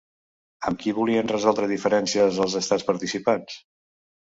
Amb qui volien resoldre diferències els estats participants?